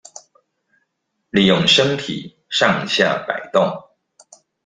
利用身體上下矲動